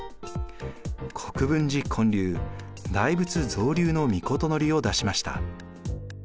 国分寺建立大仏造立の詔を出しました。